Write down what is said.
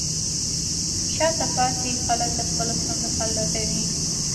شاته پاتې خلک د خپلو ستونزو حل لټوي.